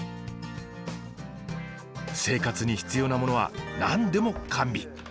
生活に必要なものは何でも完備。